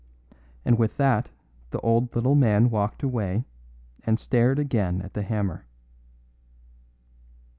And with that the old little man walked away and stared again at the hammer.